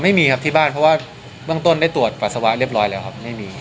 ไม่มีครับที่บ้านเพราะว่าเบื้องต้นได้ตรวจปัสสาวะเรียบร้อยแล้วครับไม่มี